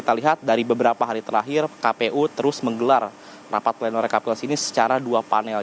kita lihat dari beberapa hari terakhir kpu terus menggelar rapat pleno rekapitulasi ini secara dua panel